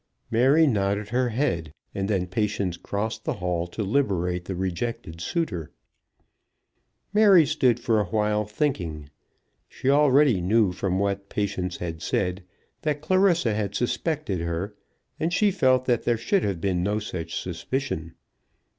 Mary nodded her head, and then Patience crossed the hall to liberate the rejected suitor. Mary stood for awhile thinking. She already knew from what Patience had said, that Clarissa had suspected her, and she felt that there should have been no such suspicion.